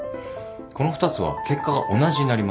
この２つは結果が同じになります。